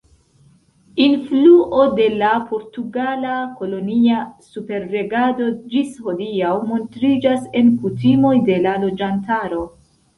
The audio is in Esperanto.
Influo de la portugala kolonia superregado ĝis hodiaŭ montriĝas en kutimoj de la loĝantaro.